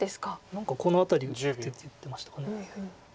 何かこの辺り打てって言ってましたか。